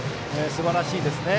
すばらしいですね。